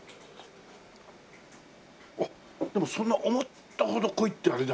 あっでもそんな思ったほど濃いってあれではないね。